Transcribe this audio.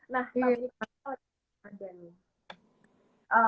nah tadi kita tau ada apa nih